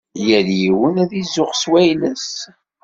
Yal yiwen ad izuxx s wayla-s.